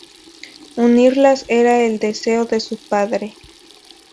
Unirlas era el deseo de su padre.